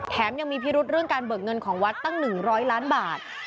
แถมยังมีพิรุธการเบิกเงินของวัดตั้ง๑๐๐ล้านบาท